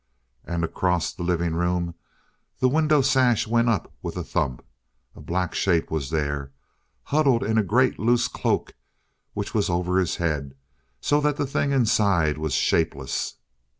And across the living room the window sash went up with a thump. A black shape was there, huddled in a great loose cloak which was over the head so that the thing inside was shapeless.